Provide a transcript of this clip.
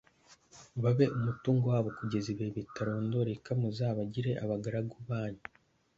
babe umutungo wabo kugeza ibihe bitarondoreka muzabagire abagaragu banyu